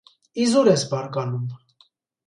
Իզուր ես բարկանում: